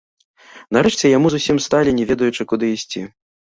Нарэшце яны зусім сталі, не ведаючы куды ісці.